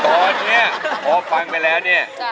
ตอนนี้พอฟังไปแล้วเนี่ย